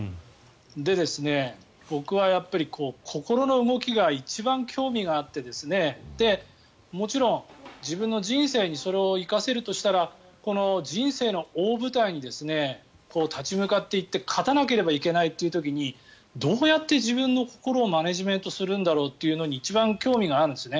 で、僕は心の動きが一番興味があってもちろん自分の人生にそれを生かせるとしたら人生の大舞台に立ち向かっていって勝たなければいけないという時にどうやって自分の心をマネジメントするんだろうというのに一番興味があるんですね